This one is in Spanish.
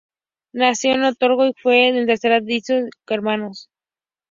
Nació en Oporto y fue el tercero de cinco hermanos.